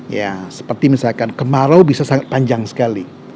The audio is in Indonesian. ya seperti misalkan kemarau bisa sangat panjang sekali